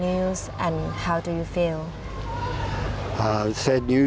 และสันติภาพก็เกิดขึ้นกว่านี้